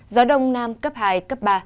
gió đông nam cấp hai cấp ba